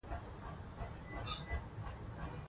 زه د اضطراب د کمولو لپاره تمرین کوم.